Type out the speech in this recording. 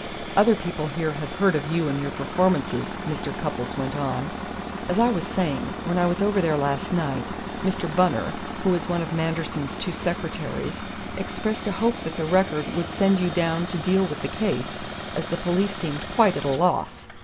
"Other people here have heard of you and your performances," Mr. Cupples went on. "As I was saying, when I was over there last night, Mr. Bunner, who is one of Manderson's two secretaries, expressed a hope that the Record would send you down to deal with the case, as the police seemed quite at a loss.